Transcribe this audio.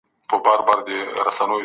شتمن خلګ باید د غریبانو حق ورکړي.